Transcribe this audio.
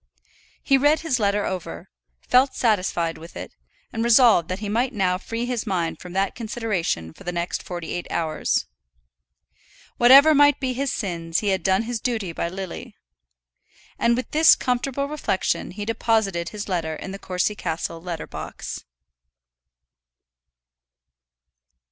He read his letter over, felt satisfied with it, and resolved that he might now free his mind from that consideration for the next forty eight hours. Whatever might be his sins he had done his duty by Lily! And with this comfortable reflection he deposited his letter in the Courcy Castle letter box.